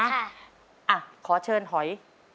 อ่ะขอเชิญหอย